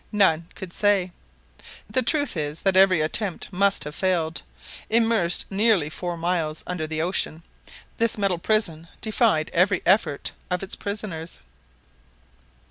None could say. The truth is that every attempt must have failed! Immersed nearly four miles under the ocean, this metal prison defied every effort of its prisoners.